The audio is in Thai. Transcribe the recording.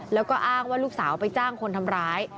แล้วก็อ้างว่าลูกสาวไปจ้างคนทำร้าย